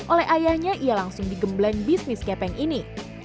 oleh ayahnya ia langsung digembleng bisnis kepeng ini